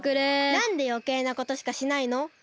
なんでよけいなことしかしないの？